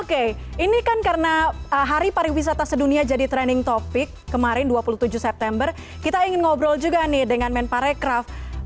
oke ini kan karena hari pariwisata sedunia jadi trending topic kemarin dua puluh tujuh september kita ingin ngobrol juga nih dengan men parekraf